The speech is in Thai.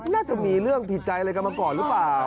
น่าจะมีเรื่องผิดใจอะไรกันมาก่อนหรือเปล่า